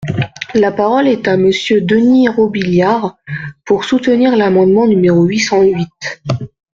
La parole est à Monsieur Denys Robiliard, pour soutenir l’amendement numéro huit cent huit.